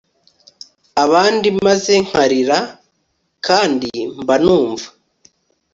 abandi maze nkarira, kandi mba numva